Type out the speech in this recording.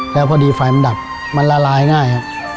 แล้วพอดีไฟมันดับมันละลายง่าย